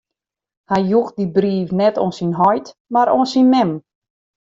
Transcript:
Hy joech dy brief net oan syn heit, mar oan syn mem.